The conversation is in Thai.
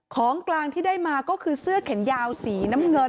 ของกลางที่ได้มาก็คือเสื้อเข็นยาวสีน้ำเงิน